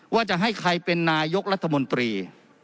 ว่าจะให้ใครเป็นนายกรัฐมนตรี